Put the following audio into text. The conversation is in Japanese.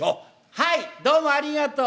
「はいどうもありがとう。